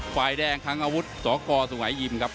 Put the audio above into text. ฝ่ายแดงคังอาวุธสกสุงหายิมครับ